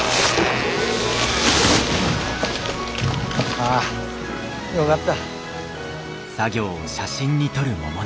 ああよがった。